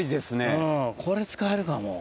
うんこれ使えるかも。